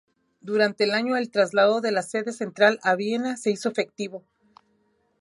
Durante el año, el traslado de la sede central a Viena se hizo efectivo.